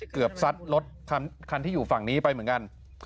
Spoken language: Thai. ซัดรถคันที่อยู่ฝั่งนี้ไปเหมือนกัน